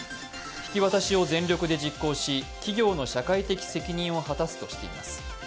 引き渡しを全力で実行し、企業の社会的責任を果たすとしています。